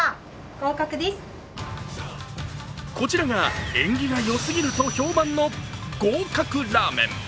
こちらが縁起がよすぎると評判の合格ラーメン。